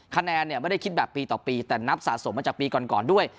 คะแนนเนี่ยไม่ได้คิดแบบปีต่อปีแต่นับสะสมมาจากปีก่อนด้วย